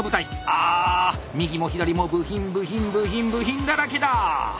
ああ右も左も部品部品部品部品だらけだ！